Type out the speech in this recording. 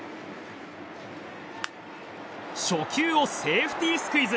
初球をセーフティースクイズ！